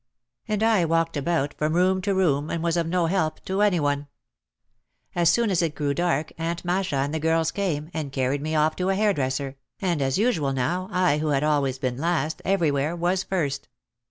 And I walked about from room to room and was of no help to any one. As soon as it grew dark Aunt Masha and the girls came, and carried me off to a hairdresser, and as usual now I who had always been last everywhere was first.